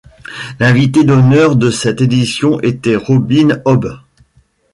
L'invitée d'honneur de cette édition était Robin Hobb.